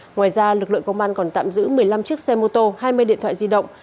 ngoài ra lực lượng công an còn tạm giữ một mươi năm chiếc xe mô tô hai mươi điện thoại di động